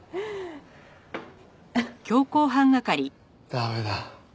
駄目だ。